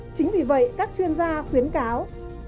chính vì vậy các chuyên gia khuyến cáo